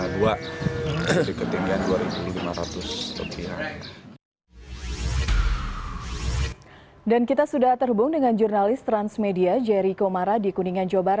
di sekitar daerah kabupaten majalengka